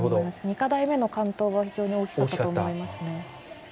２課題目の完登が非常に大きかったと思いますね。